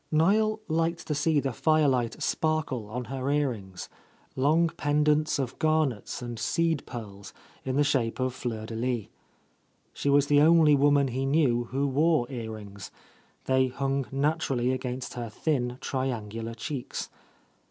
Niel liked to see the firelight sparkle on her earrings, long pendants of garnets and seed pearls in the shape of fleurs de lys. She was the only woman he knew who wore earrings; they hung naturally against her thin, triangular cheeks.